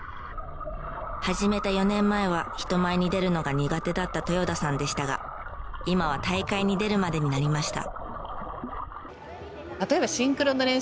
始めた４年前は人前に出るのが苦手だった豊田さんでしたが今は大会に出るまでになりました。